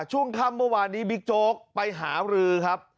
ช่วงค่ำเมื่อวานนี้บิ๊กโจ๊กไปหารือครับ